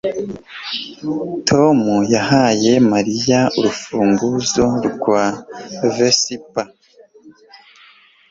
Tom yahaye Mariya urufunguzo rwa Vespa